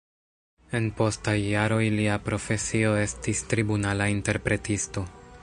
En postaj jaroj lia profesio estis tribunala interpretisto.